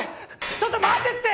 ちょっと待てって！